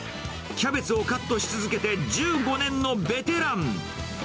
キャベツをカットし続けて１５年のベテラン。